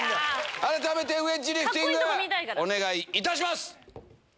改めてウエッジリフティング、お願いいたします。